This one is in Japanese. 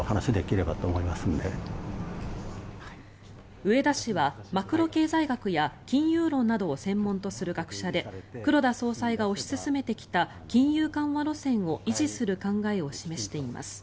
植田氏はマクロ経済学や金融論などを専門とする学者で黒田総裁が推し進めてきた金融緩和路線を維持する考えを示しています。